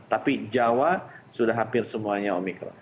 tapi jawa sudah hampir semuanya omikron